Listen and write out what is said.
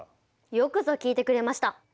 よくぞ聞いてくれました！